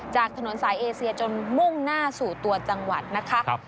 จากถนนสายเอเซียจนมุ่งหน้าสู่ตัวจังหวัดนะคะ